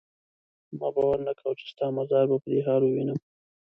ما باور نه کاوه چې ستا مزار به په دې حال وینم.